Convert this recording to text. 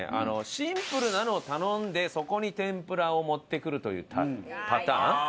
シンプルなのを頼んでそこに天ぷらを持ってくるというパターン。